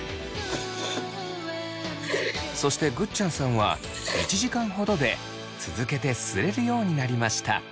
そしてぐっちゃんさんは１時間ほどで続けてすえるようになりました。